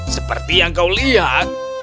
seperti yang kau lihat